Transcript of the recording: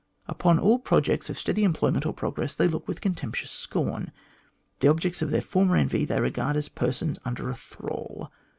Upon all projects of steady employment or progress they look with contemptuous scorn. The objects of their former envy they regard as persons under a thrall.